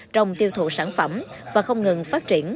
trong tiêu thụ sản phẩm và không ngừng phát triển